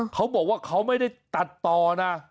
เขาบอกว่าเขาไม่ได้ตัดต่อนะ